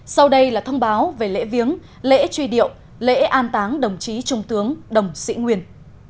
sau đây là thông báo về lễ viếng lễ truy điệu lễ an táng đồng chí trung tướng đồng sĩ nguyên